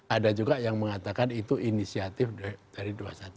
ada juga yang mengatakan itu inisiatif dari dua ratus dua belas